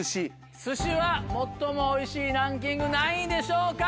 寿司は「最もおいしいランキング」何位でしょうか？